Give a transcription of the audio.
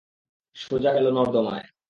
সোজা গেল নর্দমায়!